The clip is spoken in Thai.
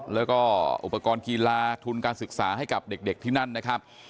แล้วก็อุปกรณ์กีฬาทุนการศึกษาให้กับเด็กที่นั่นนะครับ